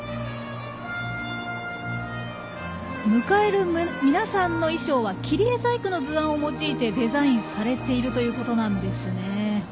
迎える皆さんの衣装は切り絵細工の図案を用いてデザインされているということなんですね。